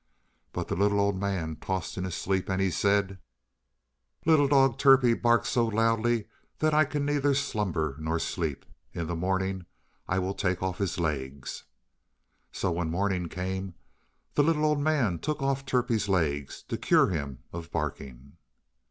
But the little old man tossed in his sleep, and he said: "Little dog Turpie barks so loudly that I can neither slumber nor sleep. In the morning I will take off his legs." So when morning came, the little old man took off Turpie's legs to cure him of barking.